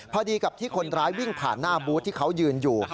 พอดีกับที่คนร้ายวิ่งผ่านหน้าบูธที่เขายืนอยู่